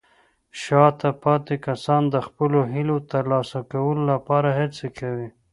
شاته پاتې کسان د خپلو هیلو ترلاسه کولو لپاره هڅې کوي.